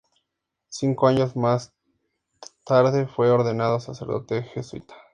Cinco años más tarde fue ordenado sacerdote jesuita.